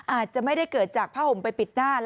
อาจจะไม่ได้เกิดจากผ้าห่มไปปิดหน้า